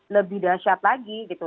lebih dahsyat lagi gitu